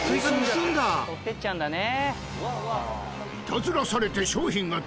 盗ってっちゃうんだね。